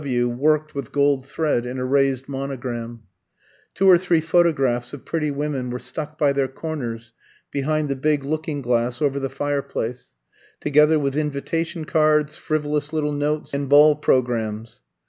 W. worked with gold thread in a raised monogram. Two or three photographs of pretty women were stuck by their corners behind the big looking glass over the fireplace, together with invitation cards, frivolous little notes, and ball programmes.